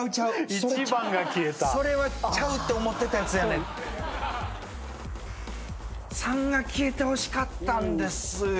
１番が消えたそれはちゃうって思ってたやつや３が消えてほしかったんですよ